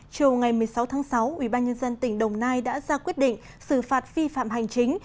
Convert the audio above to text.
chiều ngày một mươi sáu tháng sáu ubnd tỉnh đồng nai đã ra quyết định xử phạt vi phạm hành chính